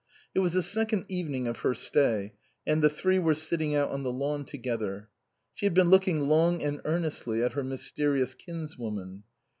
It was the second evening of her stay, and the three were sitting out on the lawn together. She had been looking long and earnestly at her mysterious kinswoman.